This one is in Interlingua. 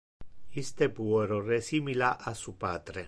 Iste puero resimila a su patre.